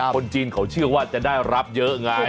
คนจีนเขาเชื่อว่าจะได้รับเยอะไง